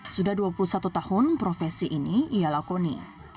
sudah dua puluh satu tahun profesi ini ia lakoni